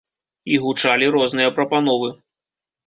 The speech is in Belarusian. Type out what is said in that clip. І гучалі розныя прапановы.